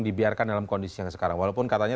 dibiarkan dalam kondisi yang sekarang walaupun katanya